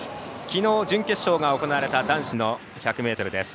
きのう準決勝が行われた男子の１００ｍです。